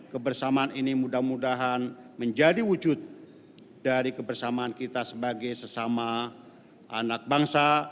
kebersamaan ini mudah mudahan menjadi wujud dari kebersamaan kita sebagai sesama anak bangsa